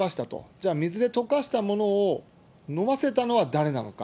じゃあ、水で溶かしたものを飲ませたのは誰なのか。